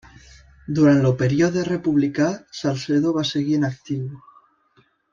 Durant el període republicà, Salcedo va seguir en actiu.